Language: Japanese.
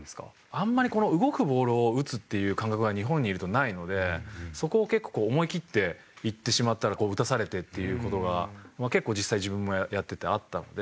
あんまり動くボールを打つっていう感覚が日本にいるとないのでそこを結構思いきっていってしまったら打たされてっていう事が結構実際自分もやっててあったので。